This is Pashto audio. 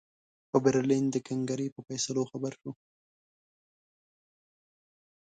په برلین د کنګرې په فیصلو خبر شو.